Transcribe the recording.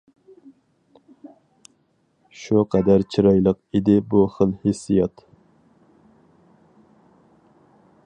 شۇ قەدەر چىرايلىق ئىدى بۇ خىل ھېسسىيات.